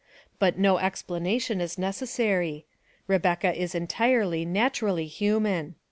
But no explanation is necessary. Re becca is entirely, naturally human.